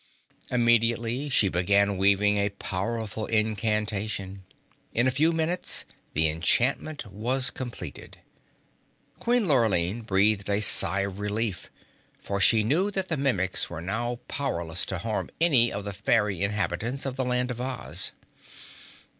Immediately she began weaving a powerful incantation. In a few minutes the enchantment was completed. Queen Lurline breathed a sigh of relief, for she knew that the Mimics were now powerless to harm any of the fairy inhabitants of the Land of Oz.